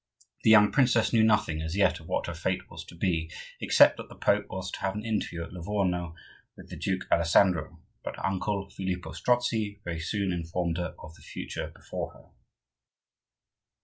The young princess knew nothing as yet of what her fate was to be, except that the Pope was to have an interview at Livorno with the Duke Alessandro; but her uncle, Filippo Strozzi, very soon informed her of the future before her.